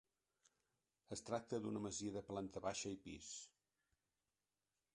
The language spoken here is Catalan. Es tracta d'una masia de planta baixa i pis.